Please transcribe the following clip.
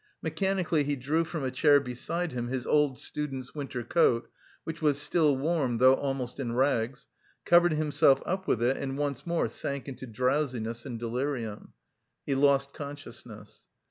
Mechanically he drew from a chair beside him his old student's winter coat, which was still warm though almost in rags, covered himself up with it and once more sank into drowsiness and delirium. He lost consciousness.